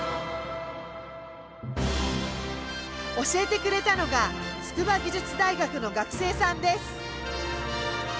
教えてくれたのが筑波技術大学の学生さんです。